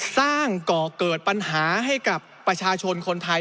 ก่อเกิดปัญหาให้กับประชาชนคนไทย